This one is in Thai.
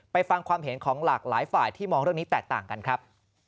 ฟังความเห็นของหลากหลายฝ่ายที่มองเรื่องนี้แตกต่างกันครับ